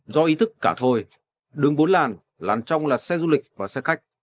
do ý thức cả thôi đường bốn làn làn trong là xe du lịch và xe khách